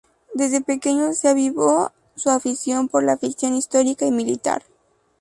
Desde pequeño se avivó su afición por la ficción histórica y militar.